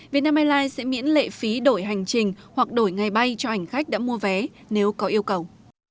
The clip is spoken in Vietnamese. vietnam airlines sẽ miễn lệ phí đổi hành trình hoặc đổi ngày bay cho hành khách đã mua vé nếu có yêu cầu